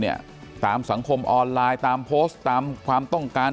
เนี่ยตามสังคมออนไลน์ตามโพสต์ตามความต้องการ